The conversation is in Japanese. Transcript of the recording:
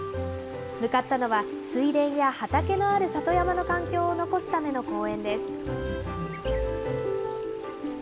向かったのは水田や畑のある里山の環境を残すための公園です。